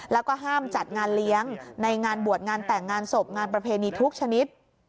แล้วก็ห้ามจัดงานเลี้ยงในงานบวชงานแต่งงานศพงานประเพณีทุกชนิด